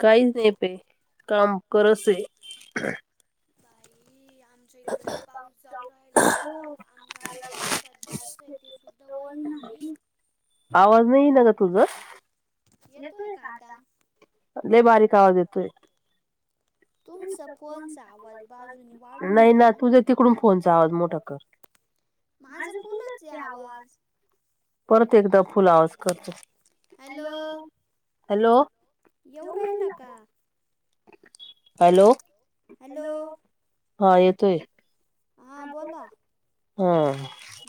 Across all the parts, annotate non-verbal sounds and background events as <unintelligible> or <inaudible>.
काही नेपे काम करसे बाई आम इथलं पाऊस जाऊ राहिला हो आम्हालाही शेतात जायचं सुचू दवई ना नाही आवाज नाही ना का तुझं येतोय का आताा ल बारीक आवाज येतोय तुमचा फोनचा आवाज बाजूने वाढून घ्या ना माझा फुलाच आवाज हॅलो? येऊ राहिलाय का? हॅलो हां बोला.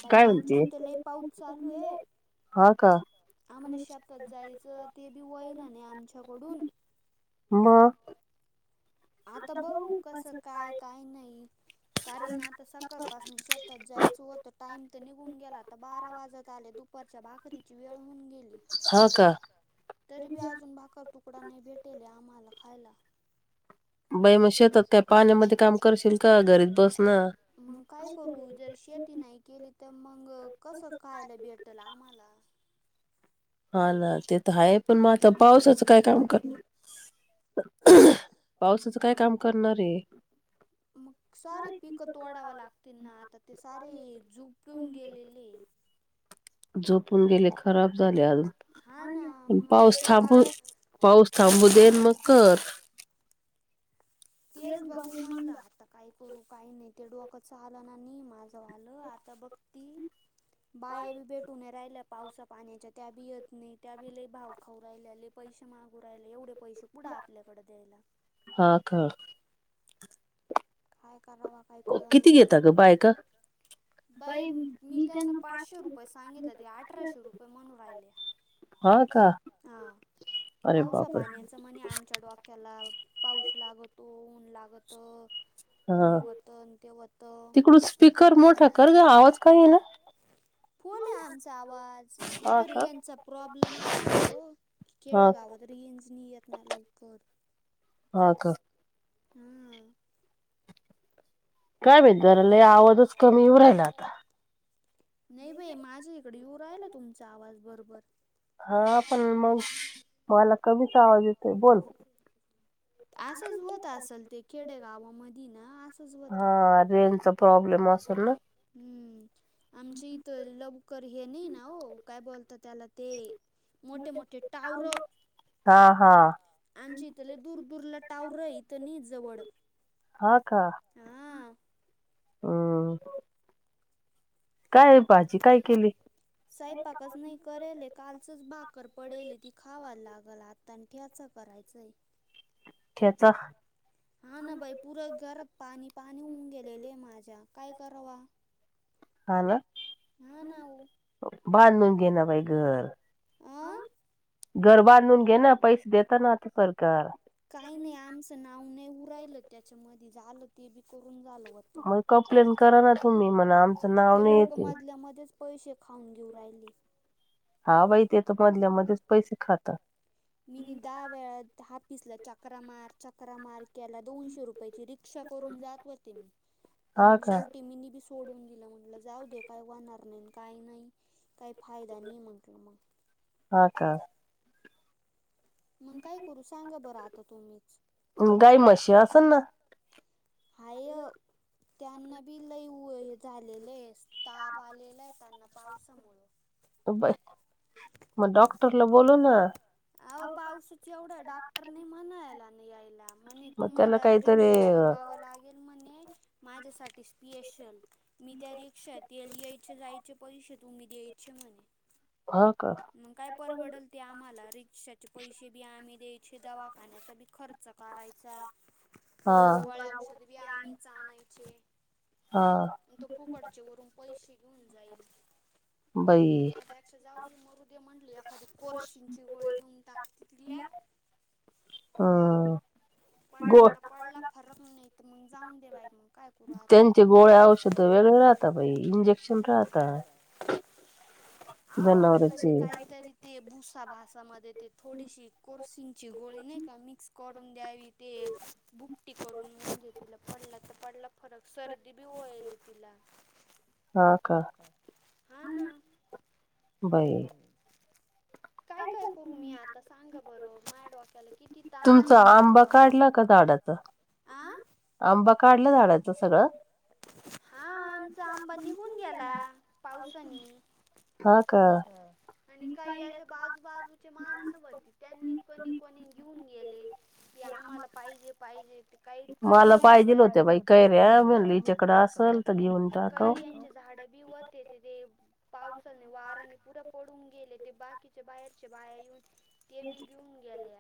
बाई आमच्या इथे लई पाऊस चालू आहे. आम्हांला शेतात जायचं ते बी होईना नाही आमच्याकडून. मं आता बघू कसं काय काय नाही कारण आता सकाळपासून शेतात जायचं होत टाइम तर निघून गेला आता बारा वाजत आले दुपारच्या भाकरी ची वेळ होउन गेली तरी बी अजून भाकर तू तुकडा नाही भेटेले आम्हांला खायला. मग काय करू जर शेत ती नाही केली तर मग कसं खायला भेटल आम्हांला. हां ना ते तर आहे पण मग आता पावसाच काय काम करणार <unintelligible> पावसाच काय काम करणार ये. सारे पिकं तोडाव लागतील ना, आता ते सारे झोपून गेलेलेय. झोपून गेले खराब झाले अजून. पाऊस थांबू पाऊस थांबू देन मग कर. तेच बघू म्हणलं, आता काय करू काही नाही ते डोक चालना नाही माझ. लं आता बघती बाया बी भेटू नाही राहिल्या. पावसा पाण्याच्या त्या बि येत नाही, त्या बि येत नाही, भाव खाऊ राहिल्या पैसे मागू राहिले एवढे पैसे कुठं आपल्याकडे द्यायला. हा का, काय करावा काय कळ नाही, किती घेतात बायका? बाई मी त्यांना पाचशे रुपये सांगितले ते अठराशे रुपये म्हणू राहिल्या. <unintelligible> हा पावसापाण्याच म्हणे आमच्या डोक त्याला पाऊस लागतो ऊन लागत. हा तिकडून स्पीकर मोठा कर गं, आवाज का येना? फुल्ल आहे आमचा आवाज इथ रेंजचा प्रॉब्लेम असलं ओ. खेड गावात रेंज नाई येत ना लवकर. हा का, ह अ. काय माहित जरा, लय आवाजचं कमी येऊ राहिला आता. नाही बाई माझ्या इकडे येऊ राहिला, तुमचा आवाज बरोबर. हा पण मग, मला कमीच आवाज येतोय बोल. असंच होत असल, ते खेडे गावा मधी ना असं हा रेंजचा प्रॉब्लेम असेल ना. आमचे इथ लवकर हे नाही ना हो, काय बोलता त्याला ते. मोठे मोठे टावर. आमच्या इथं लय दूर दूरला टावरं हाय, इथं नाही जवळ. हा का, ह. काय भाजी काय केली? सईपाकचं नाही करेले, कालचचं भाकर पडेले ती खावा लागलं आता. दणक्याचं करायचं आहे. ठेचा. हा ना, बाई पुरे घरात पाणी पाणी होऊन गेलेले माझ्या काय करावा? हा ना, बांधून घे ना बाई घर. घर बांधून घेना, पैसे देेतना आता सरकार. काही नाही आमचं नाव नाही येवून रायलं, त्याच्या मधी झालं ते बी करून झालं होतं. कंप्लेन करा ना, तुम्ही म्हणा आम ते लोकमधल्या मध्येच पैसे खाऊन घेऊ राहिले, हा बाई तेेत मधल्यामध्येध्येच पैसे खात मीने दहा वेळा आफिस ला चक्रा मार चक्रा मार केला दोनशे रुपयांची रिक्त रिक्षा करून जात होते शेवटी मिनी बी सोडून दिलं म्हटलं जाऊ दे काय वणाहर नाही काही नाही काही फायदा नाही म्हटलं मग हा का मग काय करू सांग बरं आता तुम्हीच गाई म्हशी असल ना हाय त्यांना बी लईव हे झालेले ताप आलेला आहे त्यांना पावसामु मग डॉक्टरला बोलू ना अ पावसा एवढं डॉक्टरने म्हणायला नाही यायला म्हणे तुम्हाला रिक्षा कवा लागेल. म्हणे माझ्यासाठी स्पिशल मी त्या रिक्षा तेल या्यायचे जायचे पैसे तुम्ही द्यायचे म्हणे हा का मग काय परवडल, ते आम्हाला रिक्षाचे पैसे बी आम्ही द्यायचे दवाखान्याचा बी खर्च करायचा अच्छा वरुंगळ औषध बी आम्हीच आणायचे हा आणि त फुकटचे वरून पैसे घेऊन जाईल. बई क्ष जाऊी मरुदे म्हटली एखादी कोरशींची गोळी तून टाक दिल्या हा पडला तर पडला फरक नाही तर मग जाऊन दे बाई मग काय करू आता इंजेक्शन राहता अ म्हणसलंते काय तरी ते भुसा भासामध्ये ते थोडीशी कोरसिंची गोळी नाही का मिक्स कर द्या ते बुकटी करून म्हे तिला पड तर पड फरक सर्दी बी वयल तिला हा ना ब <inaudible> काय काय करू मी आता सांगा बरं माय डोक्याला किती तान ये झाडाचं आंबा काढलं झाडायचं सगळं हा आमचा आंबा निघून गेला पावसानी हो का आणि काही अशा बाग बाग माणस वती त्यांनी कणी कोणी घेऊन गेले. ते आम्हाला पाहिजे पाहिजे ते का कर्या पाहिजेव्हत्यार्या म्ह ै झाड बी पाव <inaudible> वारानी पुर पडून गेले ते बाकीच्या बाहेरच्या बाया येऊन ते बी घेऊन गेले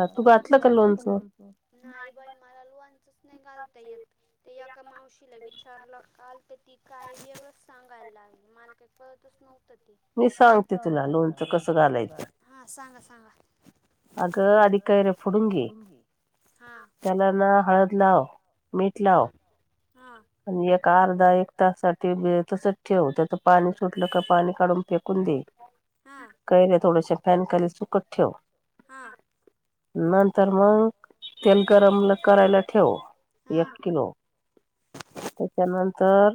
ह का तू घातलं का <inaudible> नाही बाई मला लोहांचच नाही घालता येत ते एका मावशीला विचारलं काल तर ती काय वगळं सांगायला लागली माला काय कल नव्हत ते मी सांगते तुला लोच कस हा सांगा सांगा अगं आधी कैऱ्या फोडून घे. त्याला ना हळद लाव, मीठ लाव हां आणि ए अर्धा एक तास साठी तसच ठेवते तर पाणी सुटलं का पाणी काढून फेकून दे. कैऱ्या थोडा सा फॅन कली सुकट ठेव. हा नंतर मग तेल गरम करायला ठेव एक किलो. त्याच्यानंतर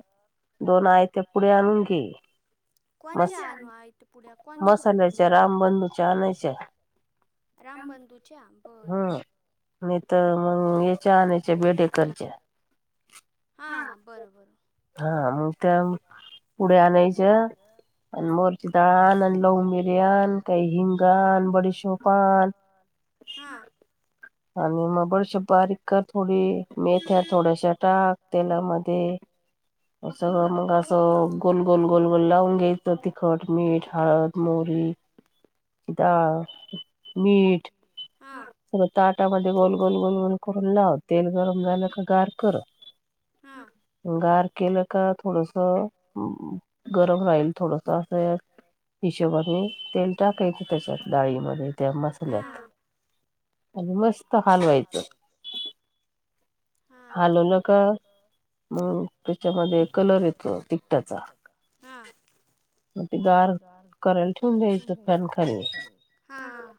दोन आयत्या पुड्या आणून घे. मसा <inaudible> मसाल्याच्या रामबंदूच्या आणायच्या. रामबंधूच्या बरं. नाही तर मग याच्या आणायच्या बेडेकरच्या. <inaudible> हा मग त्या पुड्या आणायच्या आणि मोहरीची दान आणि लवंग, मिरि आन काही हिंग आन, बडीशोफ आन. हा. आणि मग बडीशोफ बारीक कर थोडी मेथ्या थोड्याशा टाक तेलामध्ये सगळं मग असं गोलगोल-गोलगोल लावून घ्यायचं तिखट, मीठ, हळद, मोहरी. त्यात मीठ हा. ताटामध्ये गोल, गोल, गोल, गोल करून लाव तेल गरम झालं का गार कर. हा. गार केलं का थोडस गरम राहील थोडस अ हिशोबाने तेल टाकायचं त्याच्यात डाळीमध्ये, त्या मसाल्यात. आणि मस्त मस्त हलवायच. हा का? <inaudible> हा. म ते गार करायला ठेवून दयायच फॅन खाली. हा हा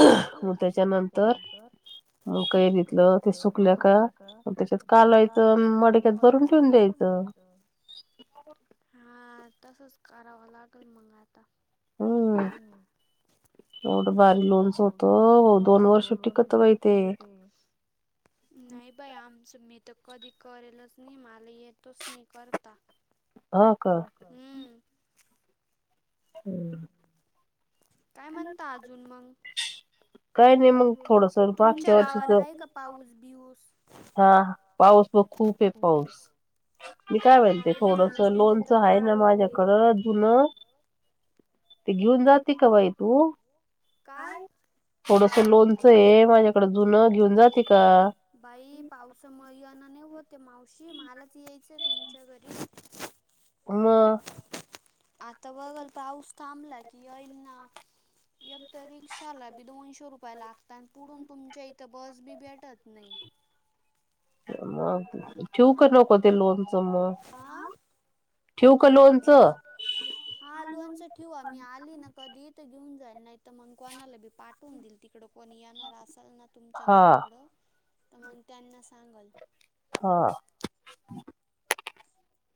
मग त्याच्यानंतर <inaudible> म कैरीतल ते सुकल्या का त्याच्या म कालायचं मडक्यात भरून ठेवून द्यायचं. हा, तसच कराव लागल मग आता. हो ना. एवढ भारी लोनच होत. दोन वर्ष टीकत बाई ते. नाही बाई आमचं मी तर कधी करेलच नाही मला येतच नाही करता. हा का. हम्म. हम्म. काय म्हणता अजून मग <inaudible> तुमच्या गावाला हाय का पाऊस बीऊस? हा पाऊस ब खूप आहे पाऊस. मी काय म्हलते थोडस लोनचं आहे ना माझ्याकडं जुन ते घेऊन जाते का बाई तू? थोडस लोनचं आहे माझ्याकडे जुन घेऊन जाते का? बाई पावसा मुळ येन नाही होत हे मावशी मलाच यायचं तुमच्या घरी. म आता बघल पाऊस थांबला की येईल ना. एकतर रिक्षाला बी दोनशे रुपये लागतात अन पुढून तुमच्या इथं बस बी भेटत नाही. ठेऊ का नको ते लोणचं मग? ठेऊ का लोणचं? हा लोणचं ठेवा मी आली ना कधी तर घेऊन जाईल नाही तर मग कोणाला बी पाठवून देईल तिकड. कोणी येणार असाल ना तुमच्या घराकडं तर मग त्यांना सांग हा.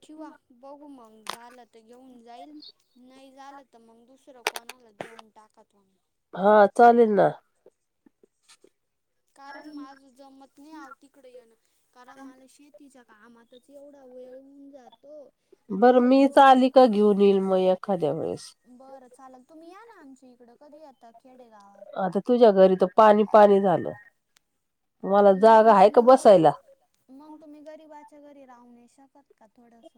ठिवा बघू मग झालं तर घेऊन जाईल नाही झालं तर मग दुसरं कोणाला देऊन टाका तुम्ही. हा चालेल ना. कारण माझ जमत नाही आवती इकडे येण कारण मला शेतीच्या कामातच एवढा वेळ होऊन जातो बरं मी चा आली का घेऊन येईल मग एखाद्या वेळेस बरं चालेल तुम्ही या ना आमच्या इकडं कधी आता खेडेगावात मग तुम्ही घरी मग तुम्ही गरीबाच्या घरी राहू नाही शकत का थोडस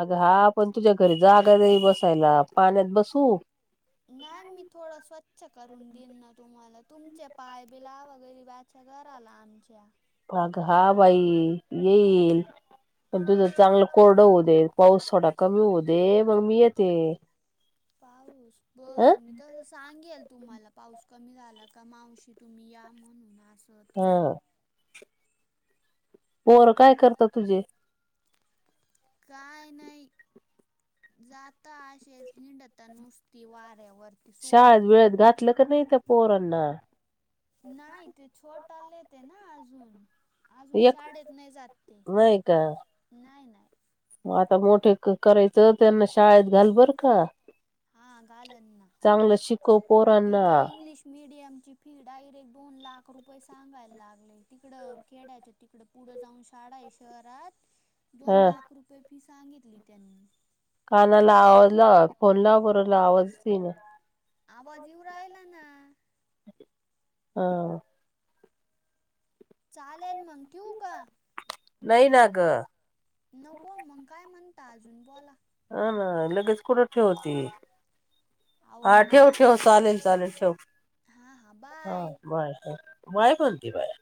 अग हा पण तुझ्या घरी जागा निवडून नाई बसायला पाण्यात बसू नाही मी थोडा स्वच्छ करून देईन ना तुम्हाला तुमचे पाय बि लावा गरिबांच्या च्या घराला आमच्या हा ग हा बाई येईल पण तुझं चांगलं कोरडं होऊ दे पाऊस थोडा कमी होऊ दे मग मी येते पाऊस बरं मी तस सांगेल तुम्हाला पाऊस कमी झाला का मावशी तुम्ही या म्हणून असं तसं पोर काय करतात तुझे काय नाही जाता अशेच हिंडत नुसती वाऱ्या वर शाळेत बीळेत घातलं का नाही त्या पोरांना नाय ते छोटाले हेत ना अजून आजुन शाळेत नाही जात ते नाही नाही आता मोठे एक करायचं त्यांना शाळेत घाल बर का चांगलं शिकव पोर इथं इंग्लिश मीडियम ची फी डायरेक्ट दोन लाख रुपये सांगायला लागले तिकडं खेड्याच्या तिकडं पुढं जाऊन शाळा आहे शहरात <unintelligible> दोन लाख रुपये फी सांगितली त्यांनी कानाला लावल फोनला बरोबर आवाजच येईना आवाज येऊ राहिलाय ना ह चालेल मग ठेऊ का नाही ना ग नको मग काय म्हणता अजून बोला हा ना लगेच कुठ ठेवती हा ठेव ठेव चालेल चालेल ठेव हा बाय ह बाय कोणती बाय